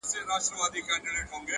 o ستا هغه رنگين تصوير ـ